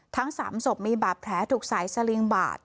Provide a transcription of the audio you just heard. ทั้ง๓ศพมีบาดแผลถูกสายสลิงบาด